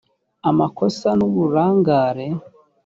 amakosa n uburangare